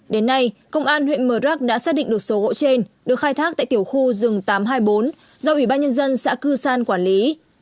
đến nay công an huyện mờ rắc đã xác định được số gỗ trên được khai thác tại tiểu khu rừng tám trăm hai mươi bốn do ủy ban nhân dân xã cư san quản lý